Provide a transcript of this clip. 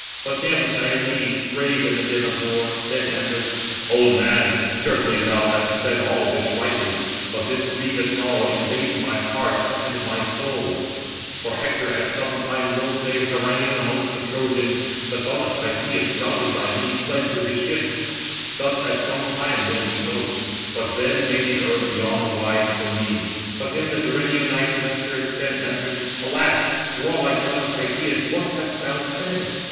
But him Diomede, brave in the din of war, then answered: "Old man, certainly thou hast said all this rightly: but this grievous sorrow invades my heart and my soul: for Hector at some time will say, haranguing amongst the Trojans, 'The son of Tydeus, routed by me, fled to his ships.' Thus at some time will he boast: but then may the earth yawn wide for me." But him the Gerenian knight Nestor then answered: "Alas! warlike son of Tydeus, what hast thou said?